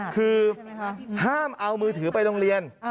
คือห้ามเอามือถือไปโรงเรียน